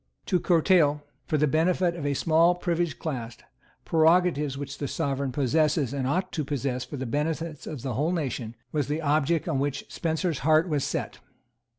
To curtail, for the benefit of a small privileged class, prerogatives which the Sovereign possesses and ought to possess for the benefit of the whole nation, was the object on which Spencer's heart was set.